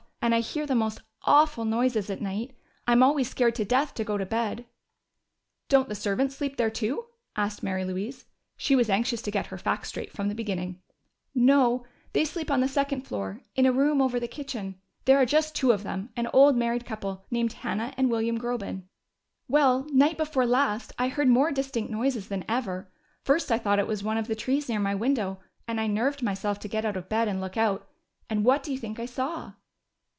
And I hear the most awful noises all night. I'm always scared to death to go to bed." "Don't the servants sleep there too?" asked Mary Louise. She was anxious to get her facts straight from the beginning. "No. They sleep on the second floor, in a room over the kitchen. There are just two of them an old married couple named Hannah and William Groben. "Well, night before last I heard more distinct noises than ever. First I thought it was one of the trees near my window, and I nerved myself to get out of bed and look out. And what do you think I saw?"